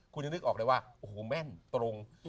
คุณจะนึกออกเลยว่าแม่นตรง